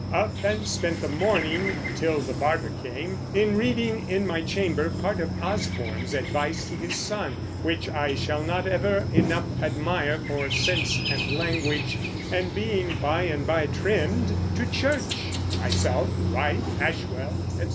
Up and spent the morning, till the Barber came, in reading in my chamber part of Osborne's Advice to his Son, which I shall not never enough admire for sense and language, and being by and by trimmed, to Church, myself, wife, Ashwell, etc.